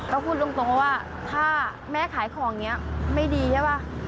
ก็พูดตรงว่าถ้าแม่ขายของอย่างนี้ไม่ดีใช่ป่ะ